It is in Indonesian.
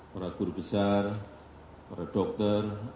para guru besar para dokter